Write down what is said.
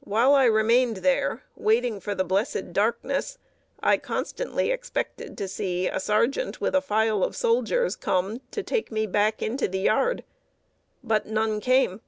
While I remained there, waiting for the blessed darkness, I constantly expected to see a sergeant, with a file of soldiers, come to take me back into the yard; but none came.